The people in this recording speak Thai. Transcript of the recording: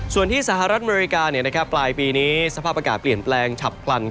ส่วนที่สหรัฐอเมริกาปลายปีนี้สภาพอากาศเปลี่ยนแปลงฉับพลัน